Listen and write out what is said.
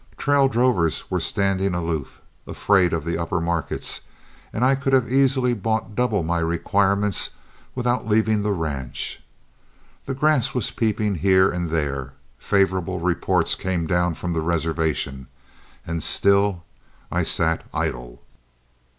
Trail drovers were standing aloof, afraid of the upper markets, and I could have easily bought double my requirements without leaving the ranch. The grass was peeping here and there, favorable reports came down from the reservation, and still I sat idle.